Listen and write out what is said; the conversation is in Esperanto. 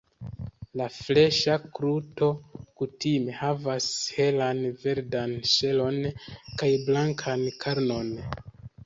La freŝa frukto kutime havas helan verdan ŝelon kaj blankan karnon.